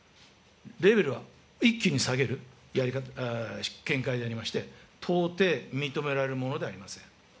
レベルは一気に下げる見解でありまして、到底認められるものじゃないです。